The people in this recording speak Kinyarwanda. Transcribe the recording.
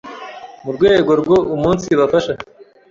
mu rwego rwo umunsibafasha